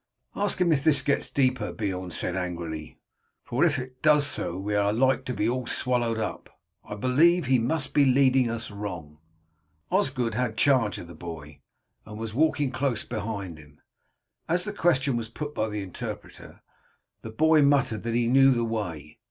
"Ask him if this gets deeper," Beorn said angrily, "for if it does so we are like to be all swallowed up. I believe he must be leading us wrong." Osgod had charge of the boy, and was walking close beside him. As the question was put by the interpreter the boy muttered that he knew the way.